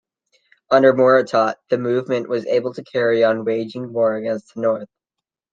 Under Muortat, the movement was able to carry on waging war against the North.